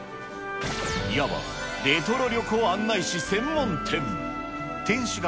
いわばレトロ旅行案内誌専門店。